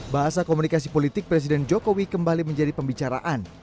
bahasa komunikasi politik presiden jokowi kembali menjadi pembicaraan